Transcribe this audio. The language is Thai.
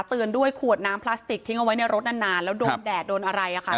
เตือนด้วยขวดน้ำพลาสติกทิ้งเอาไว้ในรถนานแล้วโดนแดดโดนอะไรอะค่ะ